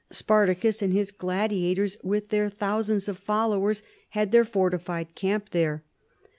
Spartacus and his gladiators, with their thousands of followers, had their fortified camp there.